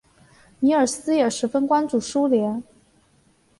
米尔斯也十分关注苏联。